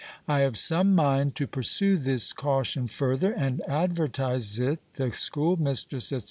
I have some mind to pursue this caution further, and advertise it 'The School Mistress,' &c.